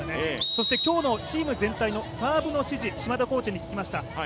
そして、今日のチーム全体のサーブの指示、島田コーチに聞きました。